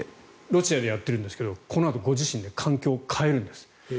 ロシアでやってるんですけどこのあとご自身で環境を変えるんです。